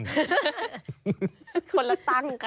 คนละตั้งกัน